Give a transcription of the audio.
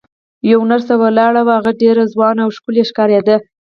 یوه نرسه ولاړه وه، هغه ډېره ځوانه او ښکلې ښکارېده.